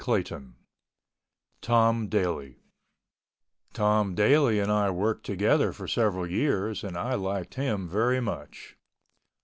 CHAPTER X TOM DALY Tom Daly and I worked together for several years and I liked him very much.